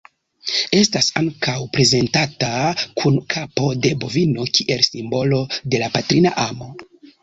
Estas ankaŭ prezentata kun kapo de bovino kiel simbolo de la patrina amo.